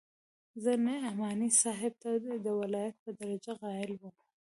زه نعماني صاحب ته د ولايت په درجه قايل وم.